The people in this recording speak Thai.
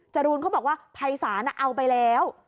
จรูนเขาบอกว่าภัยศาลเอาไปแล้ว